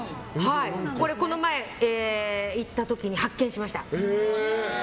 この前、行った時に発見しました。